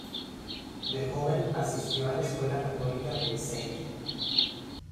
De joven asistió a la escuela católica de St.